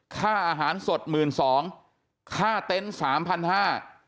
ค่าอาหารสดหมื่นสองค่าเต็นต์สามพันห้า